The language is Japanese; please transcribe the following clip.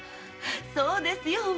そうですよ‼